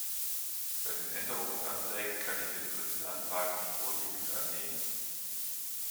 Bei den Änderungsanträgen kann ich den dritten Antrag wie vorliegend annehmen.